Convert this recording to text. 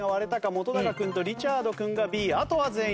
本君とリチャード君がＢあとは全員がＡ。